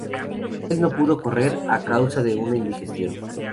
En el no pudo correr a causa de una indigestión.